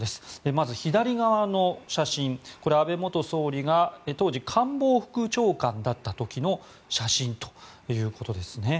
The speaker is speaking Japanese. まず左側の写真、安倍元総理が当時、官房副長官だった時の写真ということですね。